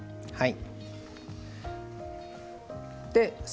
はい。